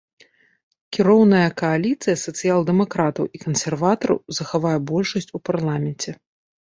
Кіроўная кааліцыя сацыял-дэмакратаў і кансерватараў захавае большасць у парламенце.